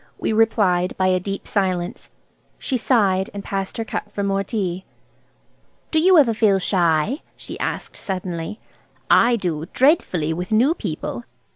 We replied by a deep silence. She sighed, and passed her cup for more tea. "Do you ever feel shy," she asked suddenly. "I do, dreadfully, with new people."